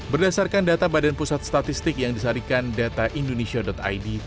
berdasarkan data badan pusat statistik yang disarikan dataindonesia id